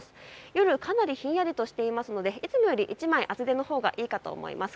夜かなりひんやりとしていますのでいつもより１枚、厚手のほうがいいと思います。